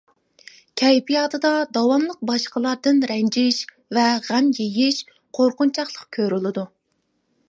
كەيپىياتىدا داۋاملىق باشقىلاردىن رەنجىش ۋە غەم يېيىش، قورقۇنچاقلىق كۆرۈلىدۇ.